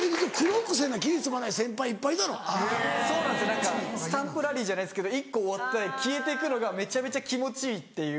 何かスタンプラリーじゃないですけど１個終わって消えてくのがめちゃめちゃ気持ちいいっていう。